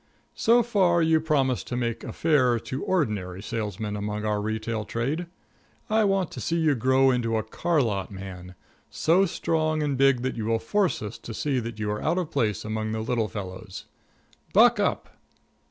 So far, you promise to make a fair to ordinary salesman among our retail trade. I want to see you grow into a car lot man so strong and big that you will force us to see that you are out of place among the little fellows. Buck up!